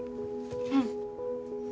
うん。